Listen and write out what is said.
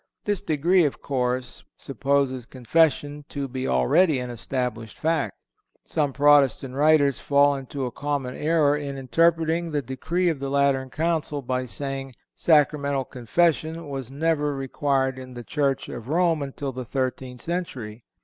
This decree, of course, supposes Confession to be already an established fact. Some Protestant writers fall into a common error in interpreting the decree of the Lateran Council by saying "Sacramental Confession was never required in the Church of Rome until the thirteenth century."